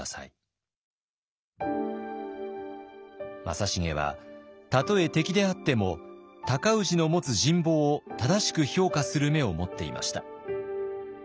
正成はたとえ敵であっても尊氏の持つ人望を正しく評価する目を持っていました。